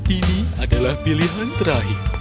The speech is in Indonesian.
ini adalah pilihan terakhir